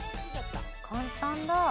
簡単だ。